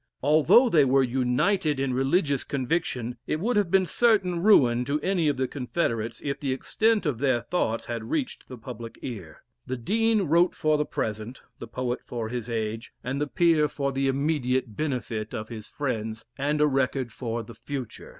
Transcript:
Although they were united in religious conviction, it would have been certain ruin to any of the confederates if the extent of their thoughts had reached the public ear. The Dean wrote for the present the poet for his age and the peer for the immediate benefit of his friends and a record for the future.